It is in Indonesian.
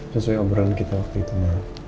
sesuai obrolan kita waktu itu